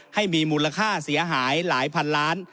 ให้มีมูลค่าเสียหายหลายพันล้าน